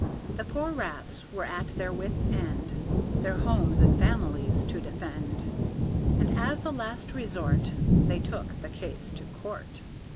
The poor rats were at their wits' end Their homes and families to defend; And as a last resort They took the case to court.